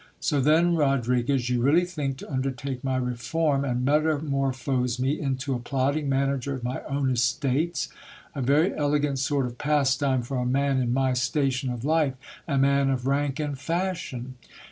So then, Rodriguez, you really think to undertake my reform, and metamorphose me into a plodding manager of my own estates? A very elegant sort of pastime for a man in my station of life ; a man of rank and fashion